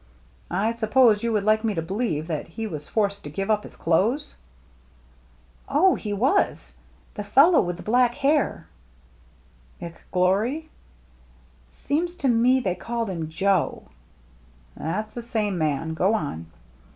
"I suppose you would like me to believe that he was forced to give up his clothes?" " Oh, he was ! The fellow with the black hair —"" McGlory ?"" Seems to me they called him Joe." " That's the same man. Go on."